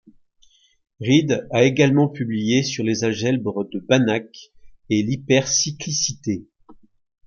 Read a également publié sur les algèbres de Banach et l'hypercyclicité.